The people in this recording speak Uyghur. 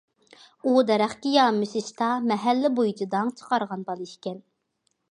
ئۇ دەرەخكە يامىشىشتا مەھەللە بويىچە داڭ چىقارغان بالا ئىكەن.